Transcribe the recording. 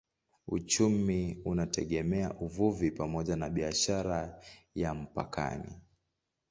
Uchumi unategemea uvuvi pamoja na biashara ya mpakani.